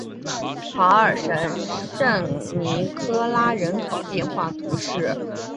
考尔什圣尼科拉人口变化图示